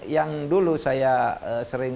yang dulu saya sering